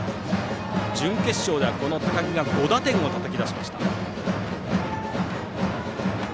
準決勝では高木が５打点をたたき出しました。